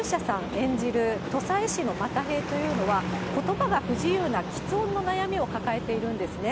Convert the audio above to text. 演じる土佐絵師のことばが不自由なきつ音の悩みを抱えているんですね。